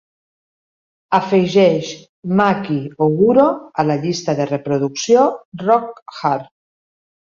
Afegeix Maki Ohguro a la llista de reproducció Rock Hard